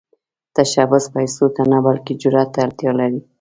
تشبث پيسو ته نه، بلکې جرئت ته اړتیا لري.